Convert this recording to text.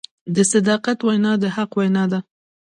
د صداقت وینا د حق وینا ده.